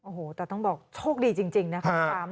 โอ้โหแต่ต้องบอกโชคดีจริงนะครับ